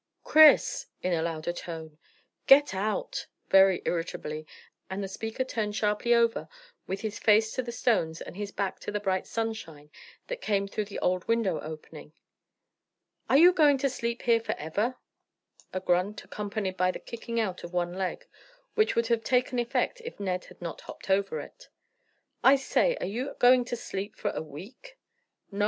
"Chris!" in a louder tone. "Get out!" very irritably, and the speaker turned sharply over with his face to the stones and his back to the bright sunshine that came through the old window opening. "Are you going to sleep here for ever?" A grunt, accompanied by the kicking out of one leg, which would have taken effect if Ned had not hopped over it. "I say, are you going to sleep for a week?" "No!